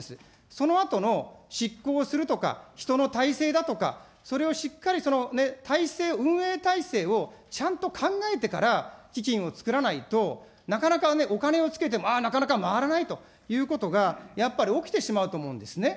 そのあとの執行するとか人の体制だとか、それをしっかり体制、運営体制をちゃんと考えてから、基金を作らないと、なかなかね、お金をつけても、なかなか回らないということがやっぱり起きてしまうと思うんですね。